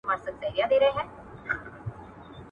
د هرات ښاریانو هم د کلابندۍ خوند ولید.